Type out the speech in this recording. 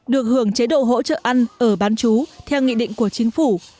được hưởng chế độ hỗ trợ ăn ở bán chú theo nghị định của chính phủ